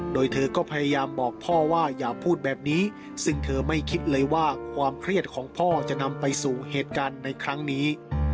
โดยเธอก็พยายามบอกพ่อว่าอย่าพูดแบบนี้ซึ่งเธอไม่คิดเลยว่าความเครียดของพ่อจะนำไปสู่เหตุการณ์ในครั้งนี้